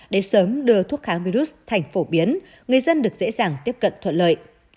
để sớm đưa thuốc kháng virus thành phổ biến người dân được dễ dàng tiếp cận thuận lợi